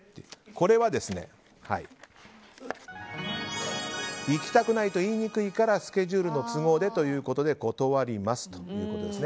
これは行きたくないと言いにくいからスケジュールの都合でということで断りますということです。